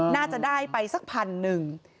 น่าจะได้ไปสักพันหนึ่ง